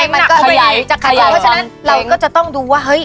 เพราะฉะนั้นเราก็จะต้องดูว่า